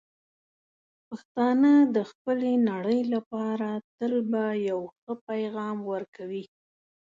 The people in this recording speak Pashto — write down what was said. پښتانه د خپلې نړۍ لپاره تل به یو ښه پېغام ورکوي.